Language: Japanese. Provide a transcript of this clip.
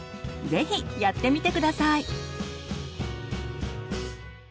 ぜひやってみて下さい。